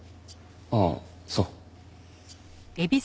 ああそう。